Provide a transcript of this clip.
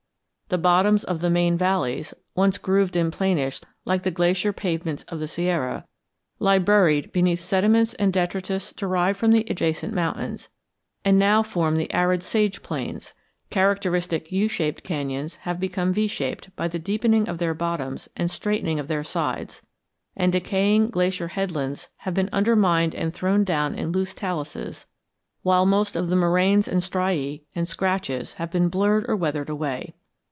The bottoms of the main valleys, once grooved and planished like the glacier pavements of the Sierra, lie buried beneath sediments and detritus derived from the adjacent mountains, and now form the arid sage plains; characteristic U shaped cañons have become V shaped by the deepening of their bottoms and straightening of their sides, and decaying glacier headlands have been undermined and thrown down in loose taluses, while most of the moraines and striae and scratches have been blurred or weathered away.